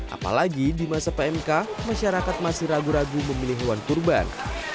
apalagi di masa pmk masyarakat masih ragu ragu memilih hewan kurban